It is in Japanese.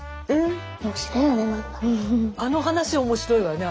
あの話面白いわよね